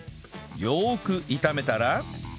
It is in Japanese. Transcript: よーく炒めたら